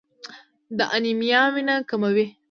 د انیمیا وینه کموي.